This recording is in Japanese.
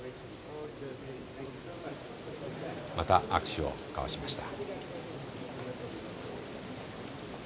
また握手を交わしました。